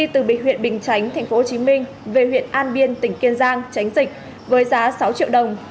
từ huyện bình chánh tp hcm về huyện an biên tỉnh kiên giang tránh dịch với giá sáu triệu đồng